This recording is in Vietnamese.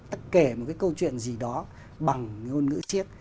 ta kể một cái câu chuyện gì đó bằng ngôn ngữ siếc